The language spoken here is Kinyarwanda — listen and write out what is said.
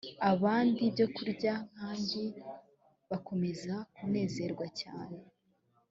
abandi ibyokurya n kandi bakomeza kunezerwa cyane